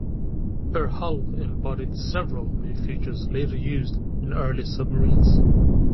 Her hull embodied several new features later used in early submarines.